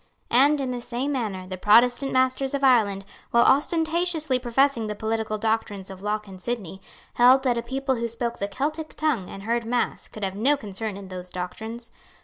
And, in the same manner, the Protestant masters of Ireland, while ostentatiously professing the political doctrines of Locke and Sidney, held that a people who spoke the Celtic tongue and heard mass could have no concern in those doctrines.